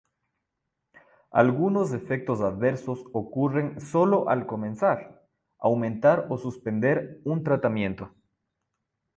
Algunos efectos adversos ocurren solo al comenzar, aumentar o suspender un tratamiento.